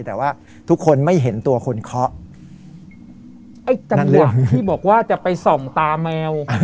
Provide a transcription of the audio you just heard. แต่ว่าทุกคนไม่เห็นตัวคนเคาะไอ้จังหวะที่บอกว่าจะไปส่องตาแมว